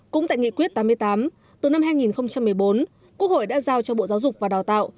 cũng tại nghị quyết tám mươi tám từ năm hai nghìn một mươi bốn quốc hội đã giao cho bộ giáo dục và đào tạo